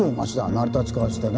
成り立ちからしてね。